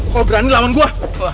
kok berani lawan gua